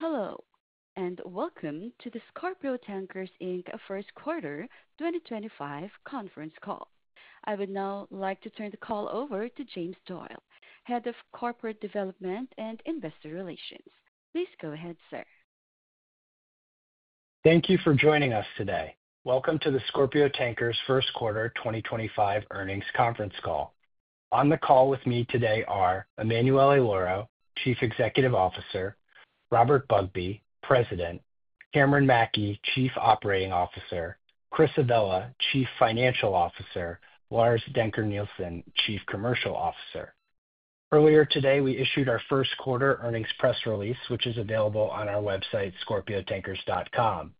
Hello, and welcome to the Scorpio Tankers Q1 2025 conference call. I would now like to turn the call over to James Doyle, Head of Corporate Development and Investor Relations. Please go ahead, sir. Thank you for joining us today. Welcome to the Scorpio Tankers Q1 2025 earnings conference call. On the call with me today are Emanuele Lauro, Chief Executive Officer; Robert Bugbee, President; Cameron Mackey, Chief Operating Officer; Chris Avella, Chief Financial Officer; Lars Dencker Nielsen, Chief Commercial Officer. Earlier today, we issued our Q1 earnings press release, which is available on our website, scorpiotankers.com.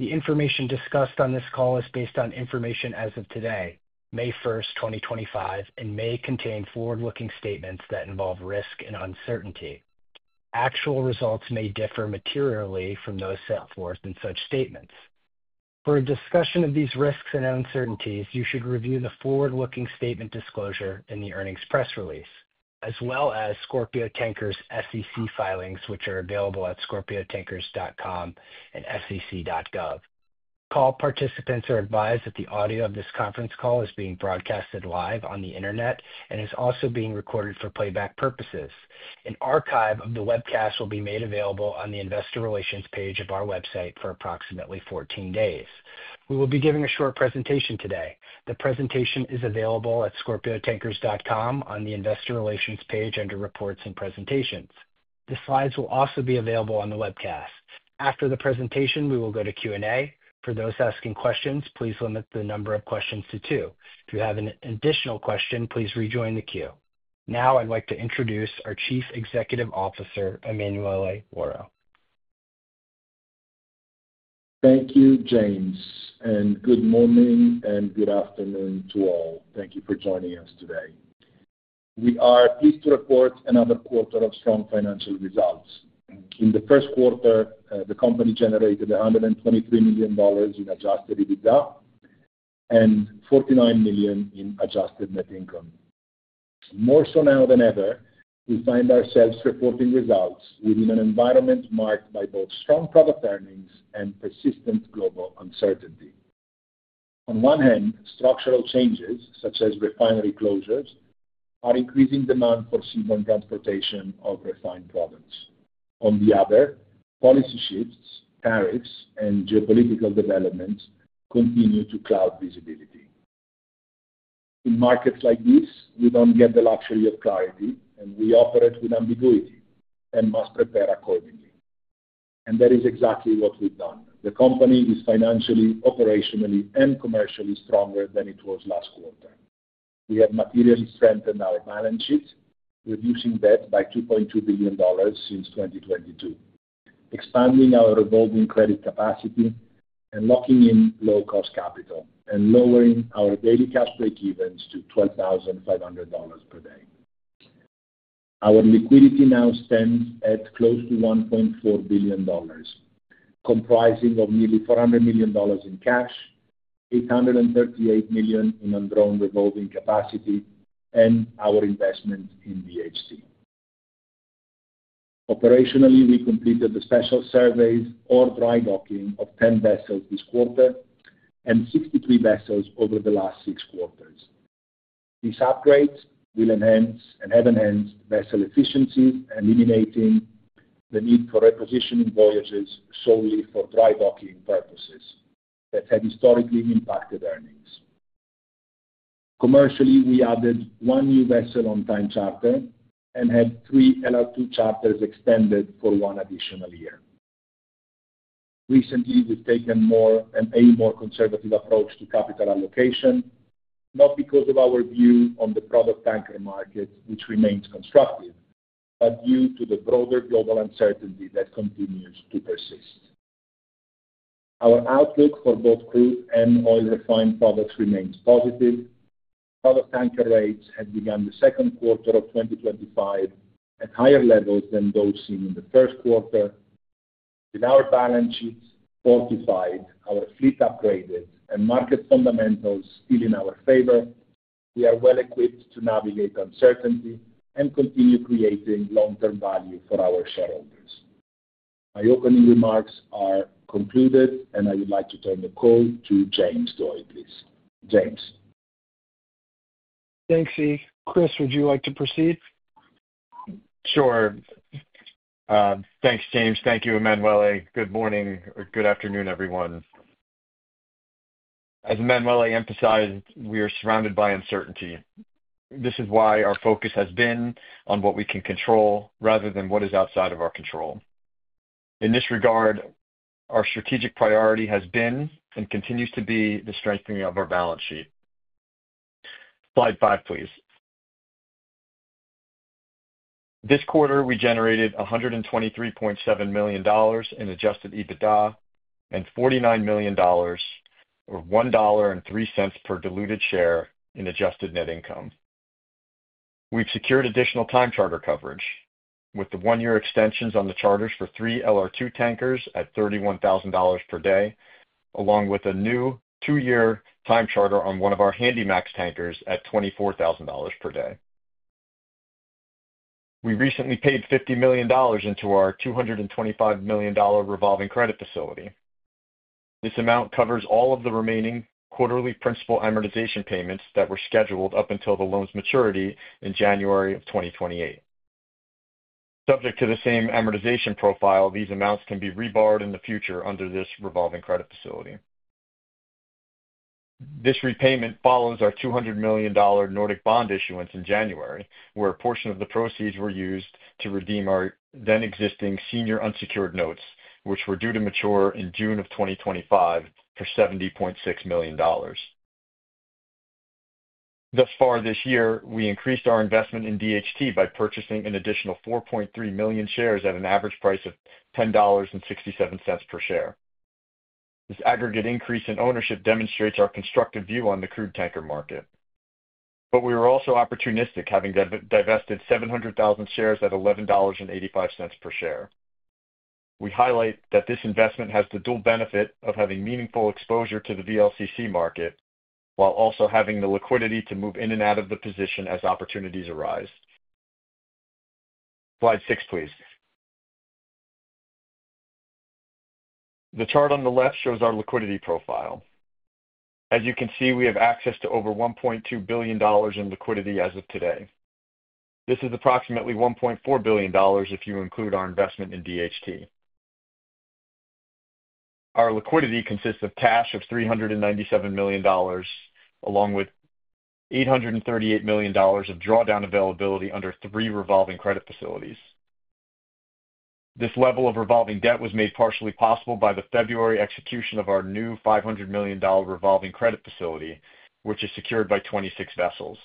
The information discussed on this call is based on information as of today, May 1st, 2025, and may contain forward-looking statements that involve risk and uncertainty. Actual results may differ materially from those set forth in such statements. For a discussion of these risks and uncertainties, you should review the forward-looking statement disclosure in the earnings press release, as well as Scorpio Tankers SEC filings, which are available at scorpiotankers.com and sec.gov. Call participants are advised that the audio of this conference call is being broadcast live on the Internet and is also being recorded for playback purposes. An archive of the webcast will be made available on the investor relations page of our website for approximately 14 days. We will be giving a short presentation today. The presentation is available at scorpiotankers.com on the investor relations page under Reports and Presentations. The slides will also be available on the webcast. After the presentation, we will go to Q&A. For those asking questions, please limit the number of questions to two. If you have an additional question, please rejoin the queue. Now, I'd like to introduce our Chief Executive Officer, Emanuele Lauro. Thank you, James, and good morning and good afternoon to all. Thank you for joining us today. We are pleased to report another quarter of strong financial results. In the Q1, the company generated $123 million in adjusted EBITDA and $49 million in adjusted net income. More so now than ever, we find ourselves reporting results within an environment marked by both strong product earnings and persistent global uncertainty. On one hand, structural changes, such as refinery closures, are increasing demand for seaborne transportation of refined products. On the other, policy shifts, tariffs, and geopolitical developments continue to cloud visibility. In markets like these, we do not get the luxury of clarity, and we operate with ambiguity and must prepare accordingly. That is exactly what we have done. The company is financially, operationally, and commercially stronger than it was last quarter. We have materially strengthened our balance sheet, reducing debt by $2.2 billion since 2022, expanding our revolving credit capacity, locking in low-cost capital, and lowering our daily cash breakevens to $12,500 per day. Our liquidity now stands at close to $1.4 billion, comprising nearly $400 million in cash, $838 million in undrawn revolving capacity, and our investment in DHT. Operationally, we completed the special surveys or dry docking of 10 vessels this quarter and 63 vessels over the last six quarters. These upgrades will enhance and have enhanced vessel efficiencies, eliminating the need for repositioning voyages solely for dry docking purposes that have historically impacted earnings. Commercially, we added one new vessel on time charter and had three LR2 charters extended for one additional year. Recently, we've taken a more conservative approach to capital allocation, not because of our view on the product tanker market, which remains constructive, but due to the broader global uncertainty that continues to persist. Our outlook for both crude and oil refined products remains positive. Product tanker rates have begun the Q2 of 2025 at higher levels than those seen in the Q1. With our balance sheets fortified, our fleet upgraded, and market fundamentals still in our favor, we are well equipped to navigate uncertainty and continue creating long-term value for our shareholders. My opening remarks are concluded, and I would like to turn the call to James Doyle, please. James. Thanks, Emanuele. Chris, would you like to proceed? Sure. Thanks, James. Thank you, Emanuele. Good morning or good afternoon, everyone. As Emanuele emphasized, we are surrounded by uncertainty. This is why our focus has been on what we can control rather than what is outside of our control. In this regard, our strategic priority has been and continues to be the strengthening of our balance sheet. Slide five, please. This quarter, we generated $123.7 million in adjusted EBITDA and $49 million or $1.03 per diluted share in adjusted net income. We've secured additional time charter coverage with the one-year extensions on the charters for three LR2 tankers at $31,000 per day, along with a new two-year time charter on one of our Handymax tankers at $24,000 per day. We recently paid $50 million into our $225 million revolving credit facility. This amount covers all of the remaining quarterly principal amortization payments that were scheduled up until the loan's maturity in January of 2028. Subject to the same amortization profile, these amounts can be re-borrowed in the future under this revolving credit facility. This repayment follows our $200 million Nordic bond issuance in January, where a portion of the proceeds were used to redeem our then-existing senior unsecured notes, which were due to mature in June of 2025 for $70.6 million. Thus far this year, we increased our investment in DHT by purchasing an additional 4.3 million shares at an average price of $10.67 per share. This aggregate increase in ownership demonstrates our constructive view on the crude tanker market. We were also opportunistic, having divested 700,000 shares at $11.85 per share. We highlight that this investment has the dual benefit of having meaningful exposure to the VLCC market while also having the liquidity to move in and out of the position as opportunities arise. Slide 6, please. The chart on the left shows our liquidity profile. As you can see, we have access to over $1.2 billion in liquidity as of today. This is approximately $1.4 billion if you include our investment in DHT. Our liquidity consists of cash of $397 million, along with $838 million of drawdown availability under three revolving credit facilities. This level of revolving debt was made partially possible by the February execution of our new $500 million revolving credit facility, which is secured by 26 vessels.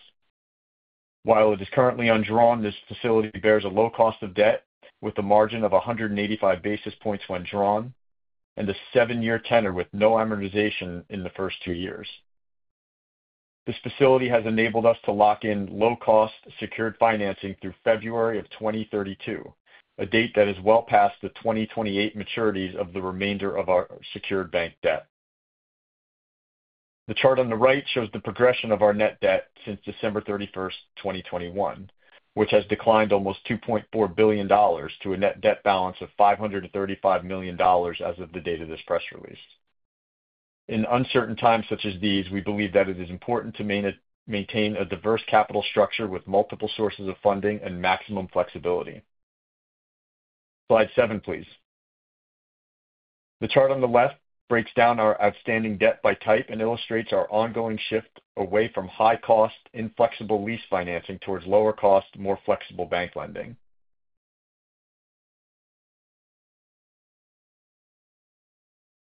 While it is currently undrawn, this facility bears a low cost of debt with a margin of 185 basis points when drawn and a seven-year tenor with no amortization in the first two years. This facility has enabled us to lock in low-cost secured financing through February of 2032, a date that is well past the 2028 maturities of the remainder of our secured bank debt. The chart on the right shows the progression of our net debt since December 31, 2021, which has declined almost $2.4 billion to a net debt balance of $535 million as of the date of this press release. In uncertain times such as these, we believe that it is important to maintain a diverse capital structure with multiple sources of funding and maximum flexibility. Slide 7, please. The chart on the left breaks down our outstanding debt by type and illustrates our ongoing shift away from high-cost, inflexible lease financing towards lower-cost, more flexible bank lending.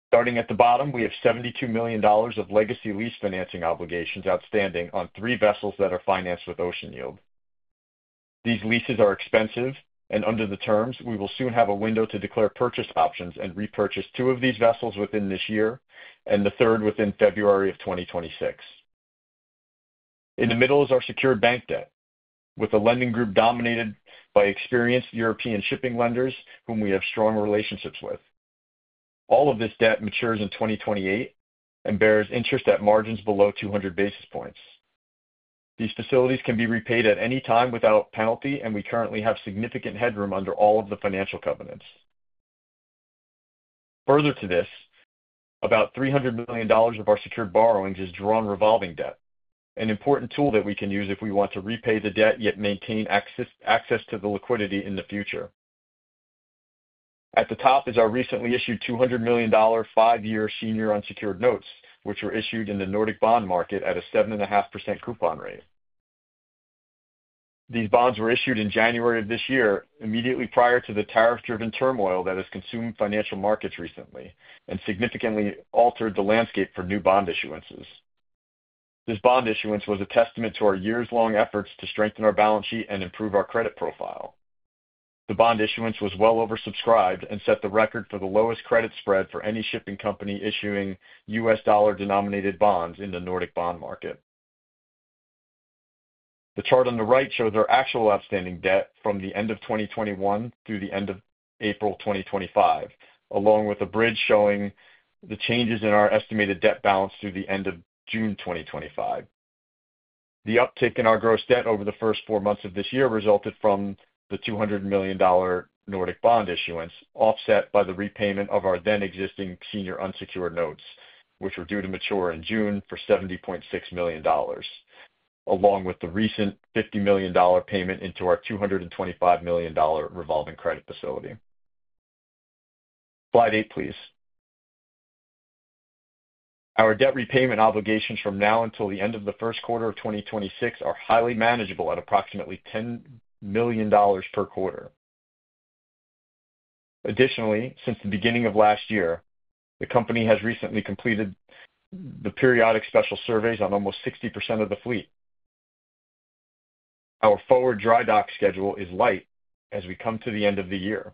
Starting at the bottom, we have $72 million of legacy lease financing obligations outstanding on three vessels that are financed with Ocean Yield. These leases are expensive, and under the terms, we will soon have a window to declare purchase options and repurchase two of these vessels within this year and the third within February of 2026. In the middle is our secured bank debt, with a lending group dominated by experienced European shipping lenders whom we have strong relationships with. All of this debt matures in 2028 and bears interest at margins below 200 basis points. These facilities can be repaid at any time without penalty, and we currently have significant headroom under all of the financial covenants. Further to this, about $300 million of our secured borrowings is drawn revolving debt, an important tool that we can use if we want to repay the debt yet maintain access to the liquidity in the future. At the top is our recently issued $200 million five-year senior unsecured notes, which were issued in the Nordic bond market at a 7.5% coupon rate. These bonds were issued in January of this year, immediately prior to the tariff-driven turmoil that has consumed financial markets recently and significantly altered the landscape for new bond issuances. This bond issuance was a testament to our years-long efforts to strengthen our balance sheet and improve our credit profile. The bond issuance was well oversubscribed and set the record for the lowest credit spread for any shipping company issuing US dollar-denominated bonds in the Nordic bond market. The chart on the right shows our actual outstanding debt from the end of 2021 through the end of April 2025, along with a bridge showing the changes in our estimated debt balance through the end of June 2025. The uptick in our gross debt over the first four months of this year resulted from the $200 million Nordic bond issuance, offset by the repayment of our then-existing senior unsecured notes, which were due to mature in June for $70.6 million, along with the recent $50 million payment into our $225 million revolving credit facility. Slide eight, please. Our debt repayment obligations from now until the end of the Q1 of 2026 are highly manageable at approximately $10 million per quarter. Additionally, since the beginning of last year, the company has recently completed the periodic special surveys on almost 60% of the fleet. Our forward dry dock schedule is light as we come to the end of the year,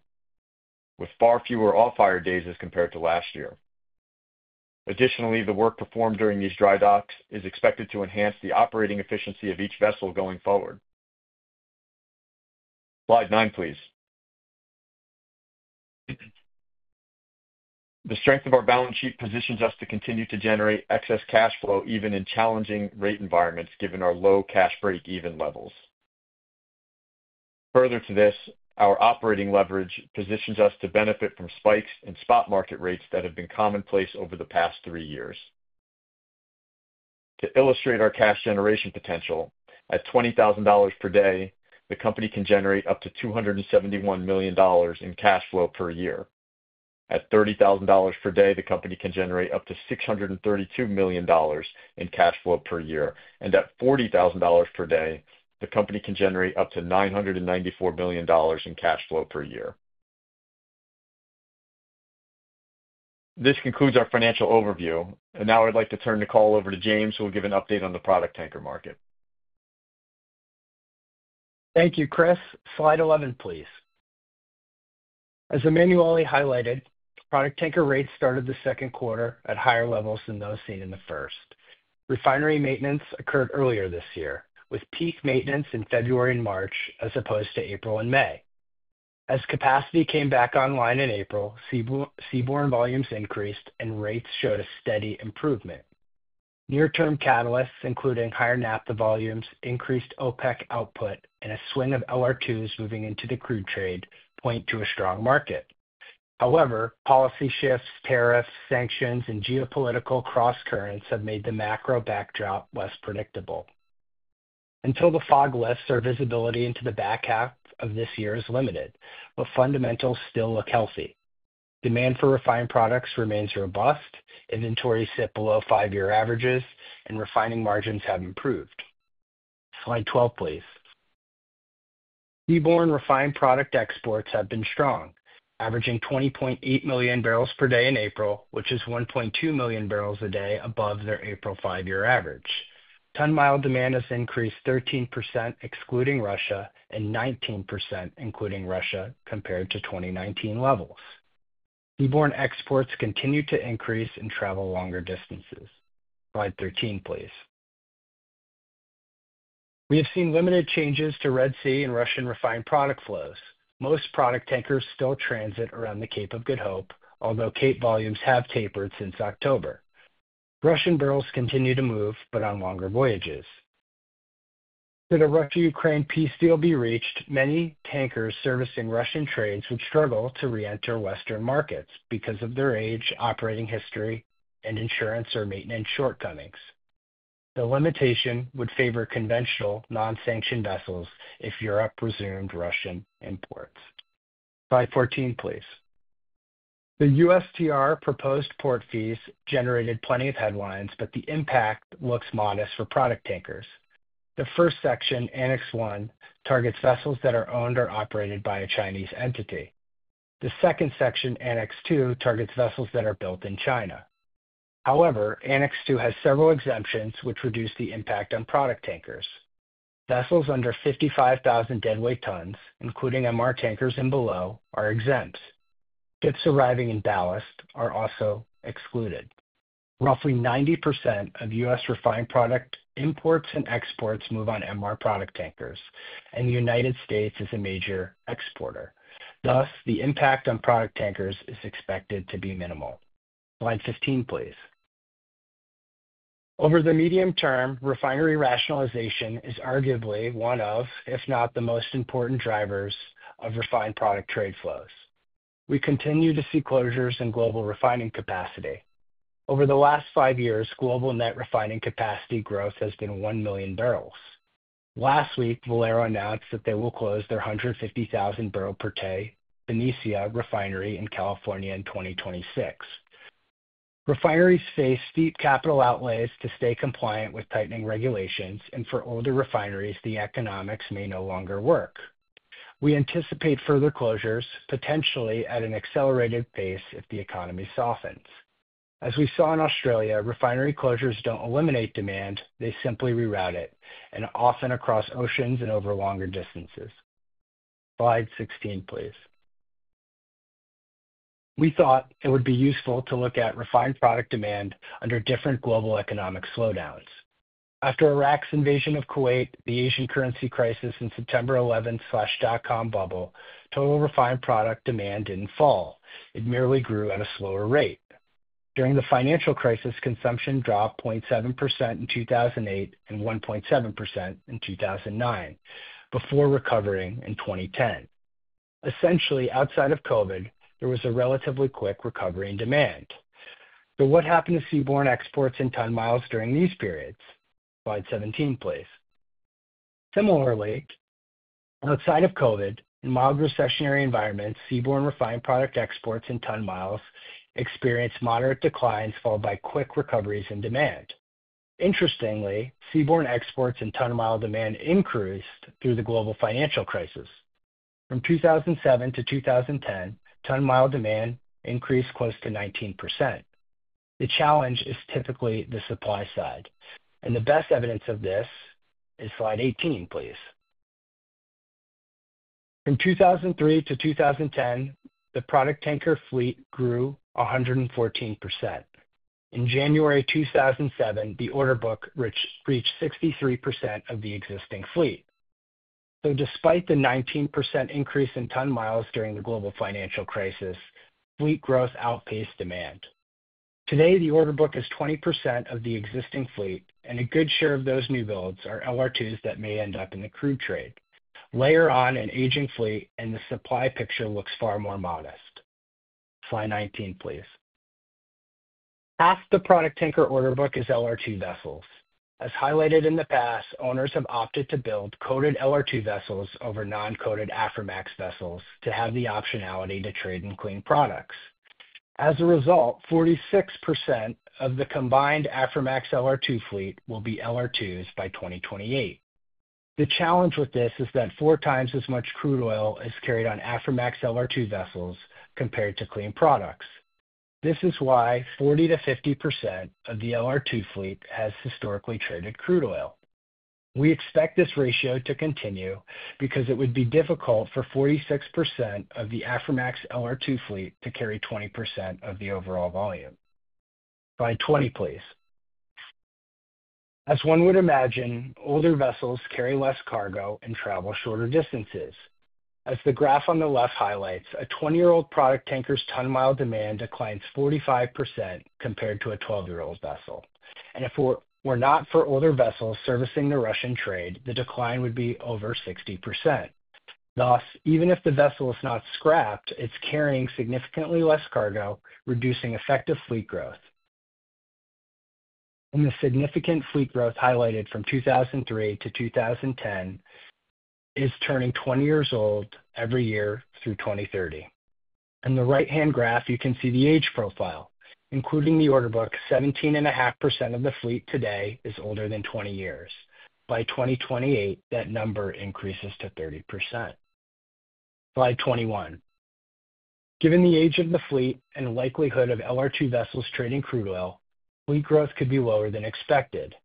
with far fewer off-hire days as compared to last year. Additionally, the work performed during these dry docks is expected to enhance the operating efficiency of each vessel going forward. Slide nine, please. The strength of our balance sheet positions us to continue to generate excess cash flow even in challenging rate environments given our low cash breakeven levels. Further to this, our operating leverage positions us to benefit from spikes in spot market rates that have been commonplace over the past three years. To illustrate our cash generation potential, at $20,000 per day, the company can generate up to $271 million in cash flow per year. At $30,000 per day, the company can generate up to $632 million in cash flow per year. At $40,000 per day, the company can generate up to $994 million in cash flow per year. This concludes our financial overview. I would now like to turn the call over to James, who will give an update on the product tanker market. Thank you, Chris. Slide 11, please. As Emanuele highlighted, product tanker rates started the Q2 at higher levels than those seen in the first. Refinery maintenance occurred earlier this year, with peak maintenance in February and March as opposed to April and May. As capacity came back online in April, seaborne volumes increased and rates showed a steady improvement. Near-term catalysts, including higher naphtha volumes, increased OPEC output, and a swing of LR2s moving into the crude trade point to a strong market. However, policy shifts, tariffs, sanctions, and geopolitical cross-currents have made the macro backdrop less predictable. Until the fog lifts, our visibility into the back half of this year is limited, but fundamentals still look healthy. Demand for refined products remains robust, inventories sit below five-year averages, and refining margins have improved. Slide 12, please. Seaborne refined product exports have been strong, averaging 20.8 million barrels per day in April, which is 1.2 million barrels a day above their April five-year average. Ton-mile demand has increased 13%, excluding Russia, and 19%, including Russia, compared to 2019 levels. Seaborne exports continue to increase and travel longer distances. Slide 13, please. We have seen limited changes to Red Sea and Russian refined product flows. Most product tankers still transit around the Cape of Good Hope, although Cape volumes have tapered since October. Russian barrels continue to move, but on longer voyages. Should a Russia-Ukraine peace deal be reached, many tankers servicing Russian trades would struggle to re-enter Western markets because of their age, operating history, and insurance or maintenance shortcomings. The limitation would favor conventional non-sanctioned vessels if Europe resumed Russian imports. Slide 14, please. The USTR proposed port fees generated plenty of headlines, but the impact looks modest for product tankers. The first section, Annex 1, targets vessels that are owned or operated by a Chinese entity. The second section, Annex 2, targets vessels that are built in China. However, Annex 2 has several exemptions which reduce the impact on product tankers. Vessels under 55,000 deadweight tons, including MR tankers and below, are exempt. Ships arriving in ballast are also excluded. Roughly 90% of U.S. refined product imports and exports move on MR product tankers, and the United States is a major exporter. Thus, the impact on product tankers is expected to be minimal. Slide 15, please. Over the medium term, refinery rationalization is arguably one of, if not the most important drivers of refined product trade flows. We continue to see closures in global refining capacity. Over the last five years, global net refining capacity growth has been 1 million barrels. Last week, Valero announced that they will close their 150,000-barrel per day Benicia refinery in California in 2026. Refineries face steep capital outlays to stay compliant with tightening regulations, and for older refineries, the economics may no longer work. We anticipate further closures, potentially at an accelerated pace if the economy softens. As we saw in Australia, refinery closures do not eliminate demand; they simply reroute it, and often across oceans and over longer distances. Slide 16, please. We thought it would be useful to look at refined product demand under different global economic slowdowns. After Iraq's invasion of Kuwait, the Asian currency crisis, and September 11/dot-com bubble, total refined product demand did not fall. It merely grew at a slower rate. During the financial crisis, consumption dropped 0.7% in 2008 and 1.7% in 2009, before recovering in 2010. Essentially, outside of COVID, there was a relatively quick recovery in demand. What happened to seaborne exports and ton miles during these periods? Slide 17, please. Similarly, outside of COVID, in mild recessionary environments, seaborne refined product exports and ton miles experienced moderate declines followed by quick recoveries in demand. Interestingly, seaborne exports and ton mile demand increased through the global financial crisis. From 2007 to 2010, ton mile demand increased close to 19%. The challenge is typically the supply side. The best evidence of this is slide 18, please. From 2003 to 2010, the product tanker fleet grew 114%. In January 2007, the order book reached 63% of the existing fleet. Despite the 19% increase in ton miles during the global financial crisis, fleet growth outpaced demand. Today, the order book is 20% of the existing fleet, and a good share of those new builds are LR2s that may end up in the crude trade. Layer on an aging fleet, and the supply picture looks far more modest. Slide 19, please. Half the product tanker order book is LR2 vessels. As highlighted in the past, owners have opted to build coated LR2 vessels over non-coated Aframax vessels to have the optionality to trade in clean products. As a result, 46% of the combined Aframax LR2 fleet will be LR2s by 2028. The challenge with this is that four times as much crude oil is carried on Aframax LR2 vessels compared to clean products. This is why 40%-50% of the LR2 fleet has historically traded crude oil. We expect this ratio to continue because it would be difficult for 46% of the Aframax LR2 fleet to carry 20% of the overall volume. Slide 20, please. As one would imagine, older vessels carry less cargo and travel shorter distances. As the graph on the left highlights, a 20-year-old product tanker's ton mile demand declines 45% compared to a 12-year-old vessel. If it were not for older vessels servicing the Russian trade, the decline would be over 60%. Thus, even if the vessel is not scrapped, it's carrying significantly less cargo, reducing effective fleet growth. The significant fleet growth highlighted from 2003 to 2010 is turning 20 years old every year through 2030. In the right-hand graph, you can see the age profile. Including the order book, 17.5% of the fleet today is older than 20 years. By 2028, that number increases to 30%. Slide 21. Given the age of the fleet and likelihood of LR2 vessels trading crude oil, fleet growth could be lower than expected.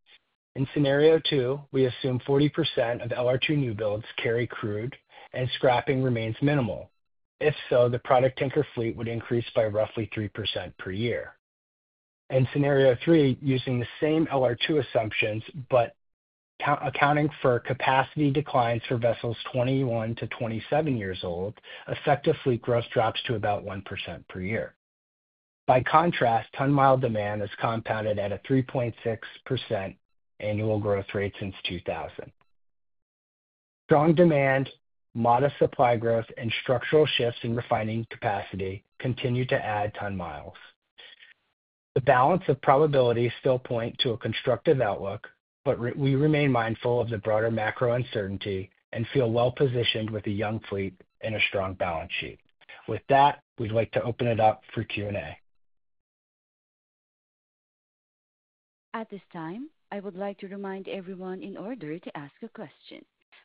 In scenario two, we assume 40% of LR2 new builds carry crude and scrapping remains minimal. If so, the product tanker fleet would increase by roughly 3% per year. In scenario three, using the same LR2 assumptions, but accounting for capacity declines for vessels 21 to 27 years old, effective fleet growth drops to about 1% per year. By contrast, ton mile demand is compounded at a 3.6% annual growth rate since 2000. Strong demand, modest supply growth, and structural shifts in refining capacity continue to add ton miles. The balance of probability still points to a constructive outlook, but we remain mindful of the broader macro uncertainty and feel well-positioned with a young fleet and a strong balance sheet. With that, we'd like to open it up for Q&A. At this time, I would like to remind everyone in order to ask a question,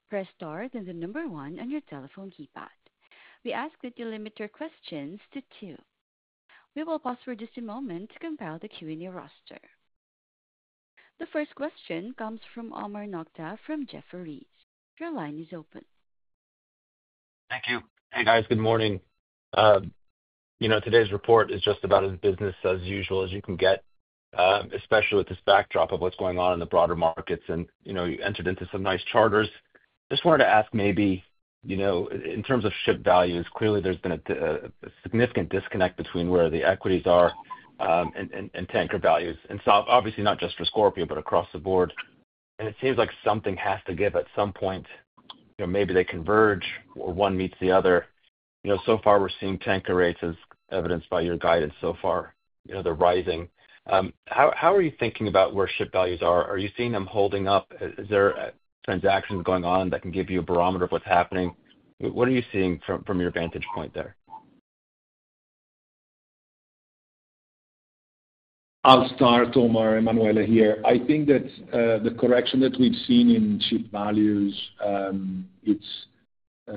press star and the number one on your telephone keypad. We ask that you limit your questions to two. We will pause for just a moment to compile the Q&A roster. The first question comes from Omar Nokta from Jefferies. Your line is open. Thank you. Hey, guys. Good morning. You know, today's report is just about as business as usual as you can get, especially with this backdrop of what's going on in the broader markets. You know, you entered into some nice charters. Just wanted to ask maybe, you know, in terms of ship values, clearly there's been a significant disconnect between where the equities are and tanker values. Obviously, not just for Scorpio, but across the board. It seems like something has to give at some point. You know, maybe they converge or one meets the other. You know, so far we're seeing tanker rates, as evidenced by your guidance so far, you know, they're rising. How are you thinking about where ship values are? Are you seeing them holding up? Is there transactions going on that can give you a barometer of what's happening? What are you seeing from your vantage point there? I'll start, Omar, Emanuele here. I think that the correction that we've seen in ship values, it's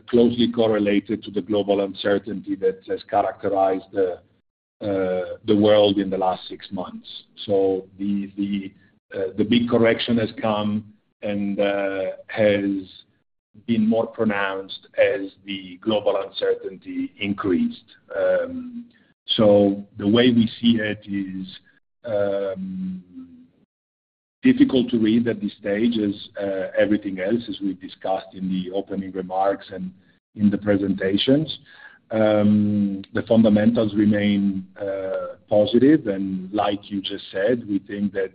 closely correlated to the global uncertainty that has characterized the world in the last six months. The big correction has come and has been more pronounced as the global uncertainty increased. The way we see it is difficult to read at this stage as everything else, as we discussed in the opening remarks and in the presentations. The fundamentals remain positive. Like you just said, we think that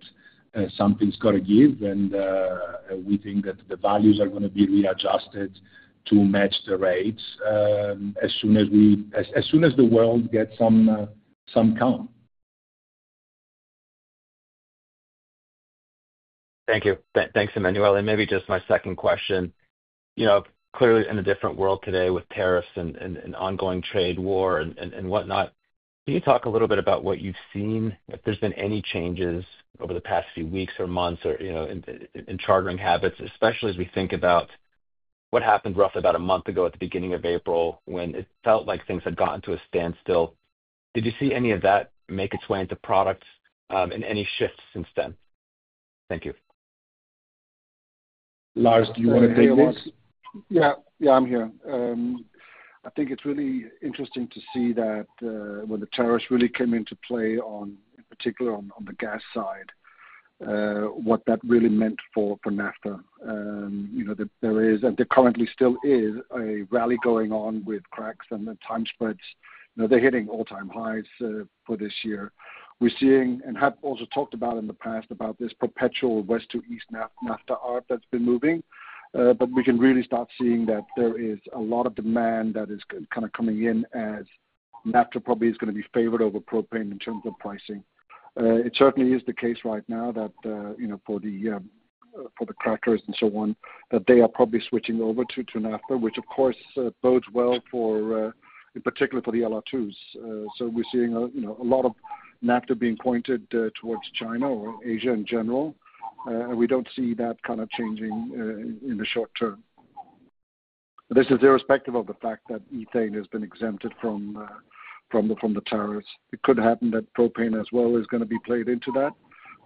something's got to give. We think that the values are going to be readjusted to match the rates as soon as the world gets some calm. Thank you. Thanks, Emanuele. Maybe just my second question. You know, clearly in a different world today with tariffs and ongoing trade war and whatnot, can you talk a little bit about what you've seen, if there's been any changes over the past few weeks or months or in chartering habits, especially as we think about what happened roughly about a month ago at the beginning of April when it felt like things had gotten to a standstill? Did you see any of that make its way into products and any shifts since then? Thank you. Lars, do you want to take this? Yeah, yeah, I'm here. I think it's really interesting to see that when the tariffs really came into play, in particular on the gas side, what that really meant for naphtha. You know, there is, and there currently still is a rally going on with cracks and the time spreads. You know, they're hitting all-time highs for this year. We're seeing, and have also talked about in the past, about this perpetual west to east naphtha arb that's been moving. We can really start seeing that there is a lot of demand that is kind of coming in as naphtha probably is going to be favored over propane in terms of pricing. It certainly is the case right now that, you know, for the crackers and so on, that they are probably switching over to naphtha, which of course bodes well for, in particular, for the LR2s. We're seeing a lot of naphtha being pointed towards China or Asia in general. We don't see that kind of changing in the short term. This is irrespective of the fact that ethane has been exempted from the tariffs. It could happen that propane as well is going to be played into that.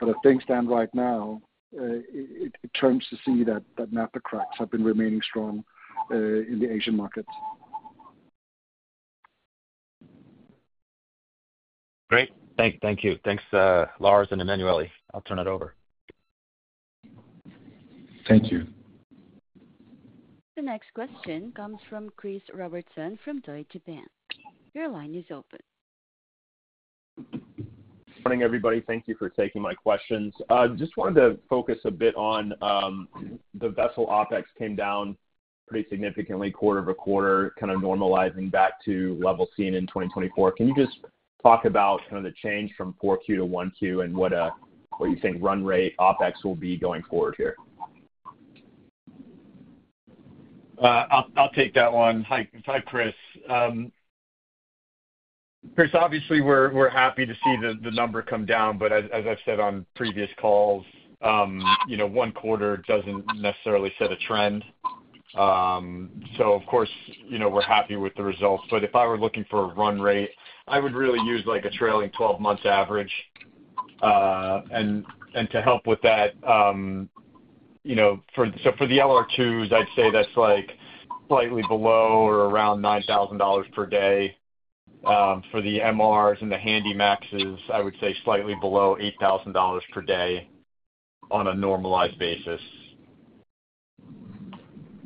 As things stand right now, it turns to see that naphtha cracks have been remaining strong in the Asian markets. Great. Thank you. Thanks, Lars and Emanuele. I'll turn it over. Thank you. The next question comes from Chris Robertson from Deutsche Bank. Your line is open. Good morning, everybody. Thank you for taking my questions. Just wanted to focus a bit on the vessel OpEx came down pretty significantly, quarter-over-quarter, kind of normalizing back to levels seen in 2024. Can you just talk about kind of the change from 4Q to 1Q and what you think run rate OpEx will be going forward here? I'll take that one. Hi, Chris. Chris, obviously, we're happy to see the number come down. As I've said on previous calls, you know, one quarter doesn't necessarily set a trend. Of course, you know, we're happy with the results. If I were looking for a run rate, I would really use like a trailing 12-month average. To help with that, you know, for the LR2s, I'd say that's like slightly below or around $9,000 per day. For the MRs and the Handymaxes, I would say slightly below $8,000 per day on a normalized basis.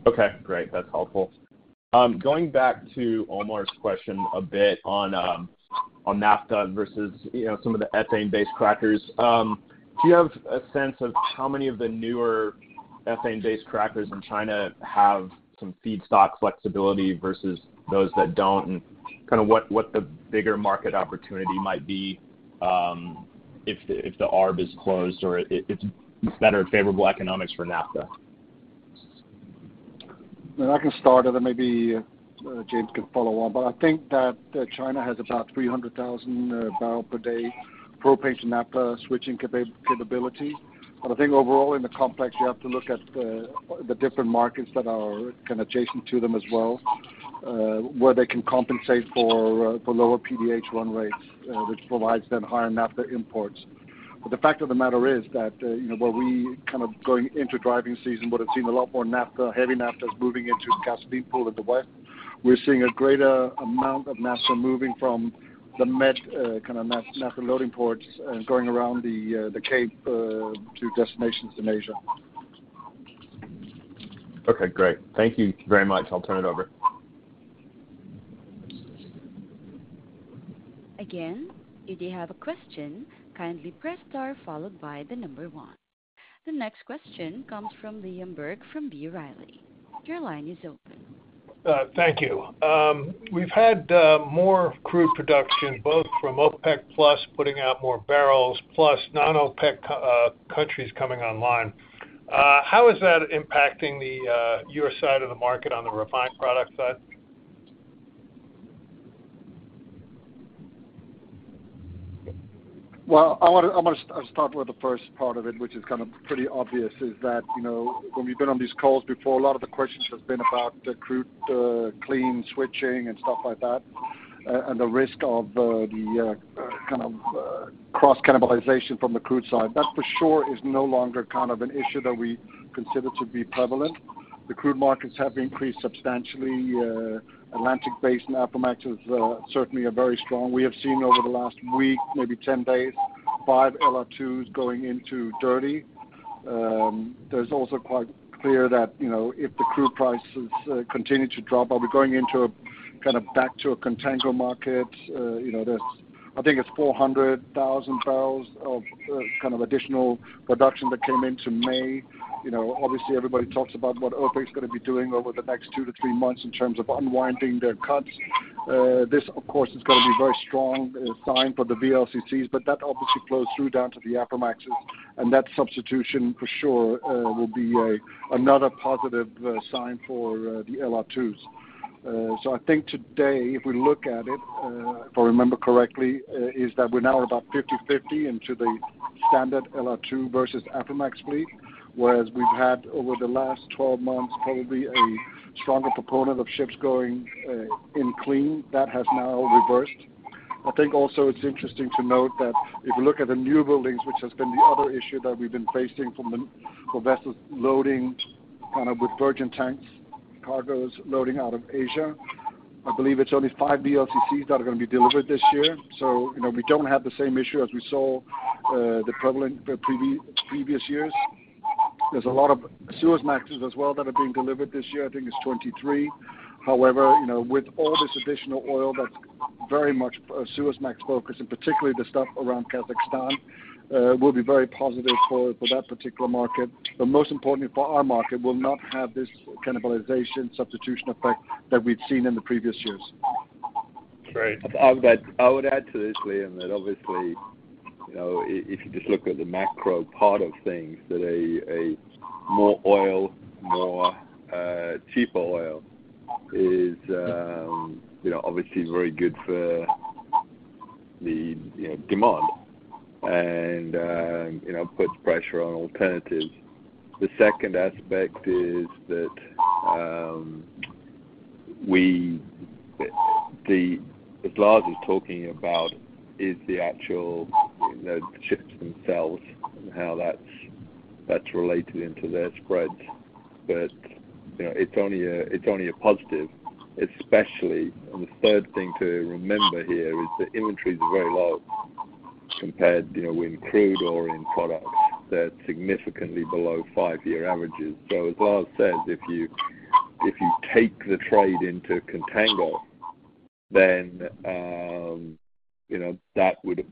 Okay, great. That's helpful. Going back to Omar's question a bit on naphtha versus some of the ethane-based crackers, do you have a sense of how many of the newer ethane-based crackers in China have some feedstock flexibility versus those that don't and kind of what the bigger market opportunity might be if the ARB is closed or it's better favorable economics for naphtha? I can start, and then maybe James can follow on. I think that China has about 300,000 barrels per day propane to naphtha switching capability. I think overall in the complex, you have to look at the different markets that are kind of adjacent to them as well, where they can compensate for lower PDH run rates, which provides them higher naphtha imports. The fact of the matter is that, you know, where we kind of going into driving season would have seen a lot more naphtha, heavy naphthas moving into the gasoline pool in the west, we're seeing a greater amount of naphtha moving from the Med kind of naphtha loading ports and going around the Cape to destinations in Asia. Okay, great. Thank you very much. I'll turn it over. Again, if you have a question, kindly press star followed by the number one. The next question comes from Liam Burke from B. Riley. Your line is open. Thank you. We've had more crude production, both from OPEC Plus putting out more barrels, plus non-OPEC countries coming online. How is that impacting your side of the market on the refined product side? I want to start with the first part of it, which is kind of pretty obvious, is that, you know, when we've been on these calls before, a lot of the questions have been about the crude clean switching and stuff like that and the risk of the kind of cross-cannibalization from the crude side. That for sure is no longer kind of an issue that we consider to be prevalent. The crude markets have increased substantially. Atlantic-based Aframaxes are certainly very strong. We have seen over the last week, maybe 10 days, five LR2s going into dirty. There's also quite clear that, you know, if the crude prices continue to drop, are we going into a kind of back to a contango market? You know, I think it's 400,000 barrels of kind of additional production that came into May. You know, obviously, everybody talks about what OPEC's going to be doing over the next two to three months in terms of unwinding their cuts. This, of course, is going to be a very strong sign for the VLCCs, but that obviously flows through down to the Aframaxes. That substitution for sure will be another positive sign for the LR2s. I think today, if we look at it, if I remember correctly, is that we're now at about 50-50 into the standard LR2 versus Aframax fleet, whereas we've had over the last 12 months probably a stronger proponent of ships going in clean. That has now reversed. I think also it's interesting to note that if you look at the new buildings, which has been the other issue that we've been facing from the vessels loading kind of with virgin tanks, cargoes loading out of Asia, I believe it's only five VLCCs that are going to be delivered this year. You know, we don't have the same issue as we saw the prevalent previous years. There's a lot of Suezmaxes as well that are being delivered this year. I think it's 23. However, you know, with all this additional oil that's very much a Suezmax focus, and particularly the stuff around Kazakhstan, will be very positive for that particular market. Most importantly, for our market, we'll not have this cannibalization substitution effect that we've seen in the previous years. Great. I would add to this, Liam, that obviously, you know, if you just look at the macro part of things, that more oil, more cheaper oil is, you know, obviously very good for the demand and, you know, puts pressure on alternatives. The second aspect is that we, as Lars is talking about, is the actual ships themselves and how that's related into their spreads. You know, it's only a positive, especially, and the third thing to remember here is that inventories are very low compared, you know, in crude or in products. They're significantly below five-year averages. As Lars said, if you take the trade into contango, then, you know, that would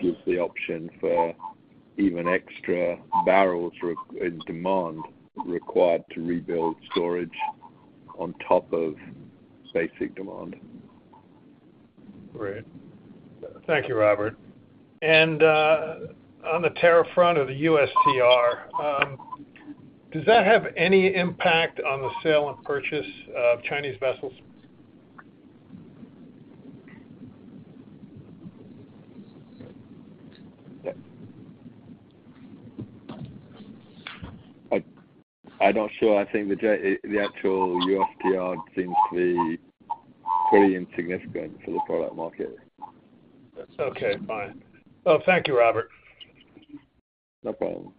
give the option for even extra barrels in demand required to rebuild storage on top of basic demand. Great. Thank you, Robert. On the tariff front or the USTR, does that have any impact on the sale and purchase of Chinese vessels? I'm not sure. I think the actual USTR seems to be pretty insignificant for the product market. Okay, fine. Thank you, Robert. No problem.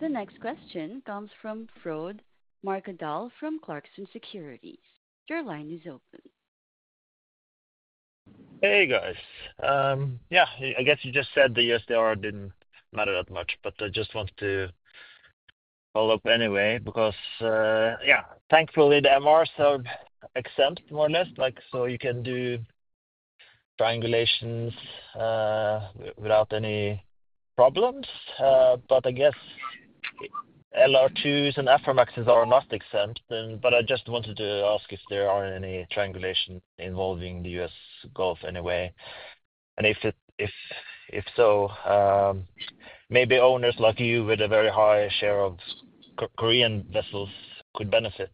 The next question comes from Frode Morkedal from Clarkson Securities. Your line is open. Hey, guys. Yeah, I guess you just said the USTR didn't matter that much, but I just wanted to follow up anyway because, yeah, thankfully the MRs are exempt more or less, like, so you can do triangulations without any problems. I guess LR2s and Aframaxes are not exempt. I just wanted to ask if there are any triangulations involving the US Gulf anyway. If so, maybe owners like you with a very high share of Korean vessels could benefit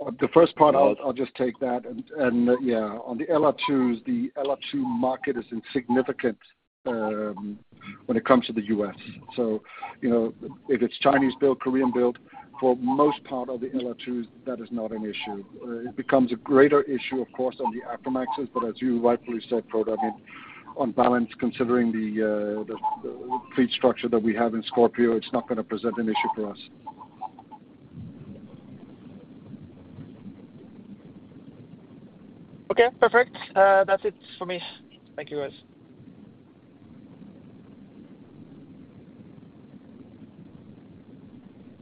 from that or not. The first part, I'll just take that. Yeah, on the LR2s, the LR2 market is insignificant when it comes to the US. You know, if it's Chinese-built, Korean-built, for the most part of the LR2s, that is not an issue. It becomes a greater issue, of course, on the Aframaxes. As you rightfully said, Frode, I mean, on balance, considering the fleet structure that we have in Scorpio, it's not going to present an issue for us. Okay, perfect. That's it for me. Thank you, guys.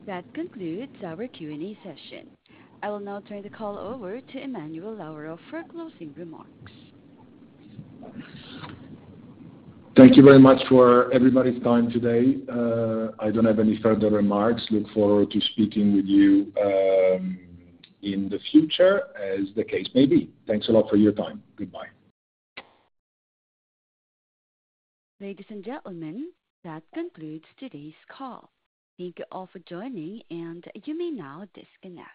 That concludes our Q&A session. I will now turn the call over to Emanuele Lauro for closing remarks. Thank you very much for everybody's time today. I don't have any further remarks. Look forward to speaking with you in the future as the case may be. Thanks a lot for your time. Goodbye. Ladies and gentlemen, that concludes today's call. Thank you all for joining, and you may now disconnect.